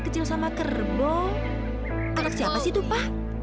kekil sama kerboh anak siapa sih itu pa